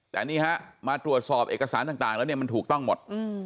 แต่นี่ฮะมาตรวจสอบเอกสารต่างแล้วเนี่ยมันถูกต้องหมด